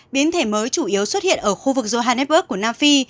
biến thể mới chủ yếu xuất hiện ở khu vực johanneberg của nam phi